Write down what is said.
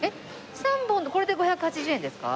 ３本でこれで５８０円ですか？